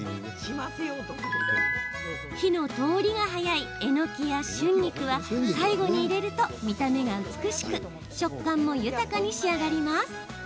火の通りが早いえのきや春菊は最後に入れると見た目が美しく食感も豊かに仕上がります。